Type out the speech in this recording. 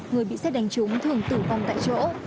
người bị xét đánh trúng thường tử vong tại chỗ